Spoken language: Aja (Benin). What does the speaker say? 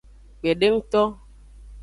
Kpedengto.